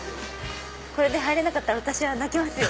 これで入れなかったら泣きますよ。